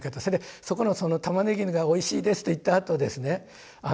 それでそこの「玉ねぎがおいしいです」と言ったあとですね